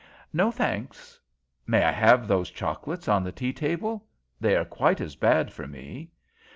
"No, thanks. May I have those chocolates on the tea table? They are quite as bad for me.